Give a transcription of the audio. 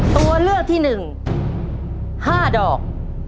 ตัวเลือกที่หนึ่ง๕ดอก